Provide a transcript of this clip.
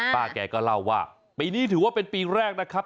แกก็เล่าว่าปีนี้ถือว่าเป็นปีแรกนะครับ